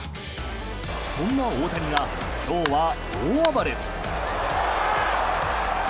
そんな大谷が今日は大暴れ。